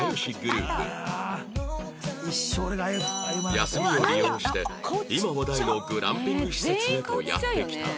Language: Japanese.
休みを利用して今話題のグランピング施設へとやって来た